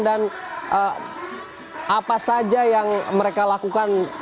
dan apa saja yang mereka lakukan